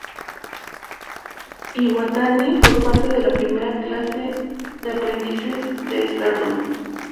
Iwatani fue parte de la primera clase de aprendices de Stardom.